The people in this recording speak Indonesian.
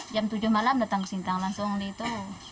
jam tujuh malam datang ke sintang langsung itu